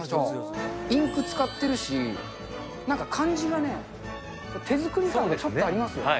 インク使ってるし、なんか感じがね、手作り感がちょっとありますよ。